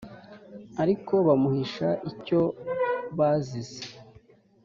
ariko bamuhisha icyo bazize.